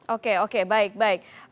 oke oke baik baik